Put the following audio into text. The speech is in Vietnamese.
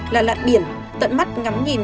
là lặn biển tận mắt ngắm nhìn